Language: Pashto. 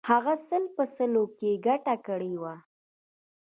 هغه سل په سلو کې ګټه کړې وه.